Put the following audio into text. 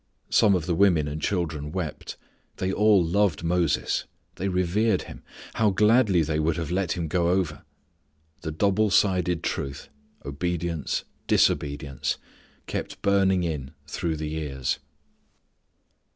Some of the women and children wept. They all loved Moses. They revered him. How gladly they would have had him go over. The double sided truth obedience disobedience kept burning in through the years.